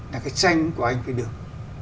là cái tranh của anh phải được